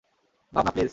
ভাবনা, প্লিজ।